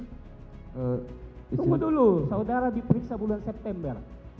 tunggu dulu saudara diperiksa bulan september